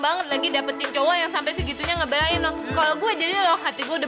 banget lagi dapetin coba yang sampai segitunya ngebahin kalau gue jadi loh hati gue udah